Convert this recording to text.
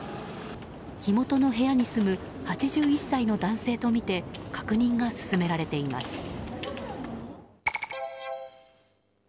火元の部屋に住む８１歳の男性とみて確認が進められています。